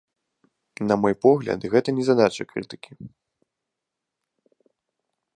На мой погляд, гэта не задача крытыкі.